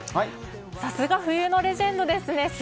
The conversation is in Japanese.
さすが冬のレジェンドですね。